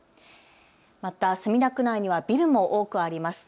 また墨田区内にはビルも多くあります。